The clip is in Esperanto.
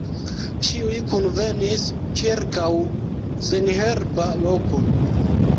Ĉiuj kunvenis ĉirkaŭ senherba loko.